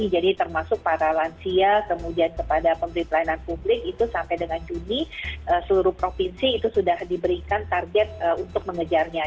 jadi termasuk para lansia kemudian kepada pemerintah layanan publik itu sampai dengan juni seluruh provinsi itu sudah diberikan target untuk mengejarnya